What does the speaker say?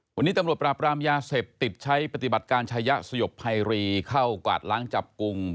วันนี้ตำรวจปราบรามยาเสพติดใช้ปฏิบัติการชายะสยบภัยรีเข้ากวาดล้างจับกลุ่ม